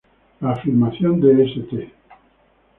La Afirmación de St.